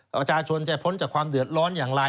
ประชาชนจะพ้นจากความเดือดร้อนอย่างไร